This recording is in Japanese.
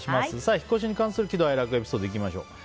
引っ越しに関する喜怒哀楽エピソードいきましょう。